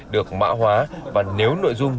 được mã hóa và nếu nội dung